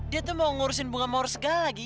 dia tuh mau ngurusin bunga murus segala lagi